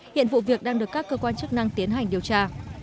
hiện vụ việc đang được các cơ quan chức năng tiến hành điều tra